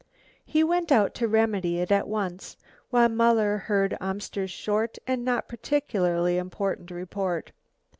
He went out to remedy it at once, while Muller heard Amster's short and not particularly important report.